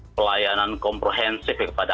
pelayanan komprehensif kepada